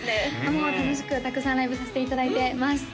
もう楽しくたくさんライブさせていただいてます